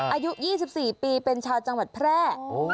อายุ๒๔ปีเป็นชาวจังหวัดแพร่